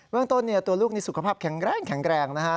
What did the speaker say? เวลาต้นตัวลูกนี้สุขภาพแข็งแรงนะฮะ